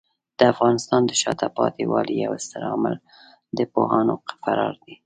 د افغانستان د شاته پاتې والي یو ستر عامل د پوهانو فرار دی.